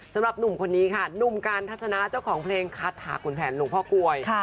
สำหรับหนุ่มคนนี้ค่ะหนุ่มการทัศนาเจ้าของเพลงคาถาขุนแผนหลวงพ่อกลวย